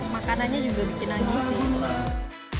makanannya juga bikin anggih sih